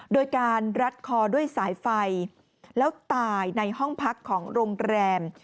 โดยการรัดคอด้วยสายไฟแล้วตายในห้องพักของโรงแรม